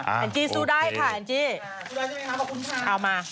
อันจีสู้ได้ค่ะ